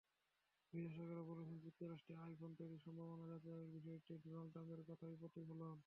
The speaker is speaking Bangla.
বিশ্লেষকেরা বলছেন, যুক্তরাষ্ট্রে আইফোন তৈরির সম্ভাব্যতা যাচাইয়ের বিষয়টি ডোনাল্ড ট্রাম্পের কথার প্রতিফলন।